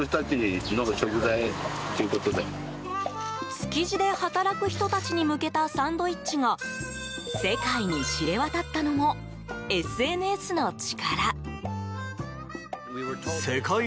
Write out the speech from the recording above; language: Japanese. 築地で働く人たちに向けたサンドイッチが世界に知れ渡ったのもＳＮＳの力。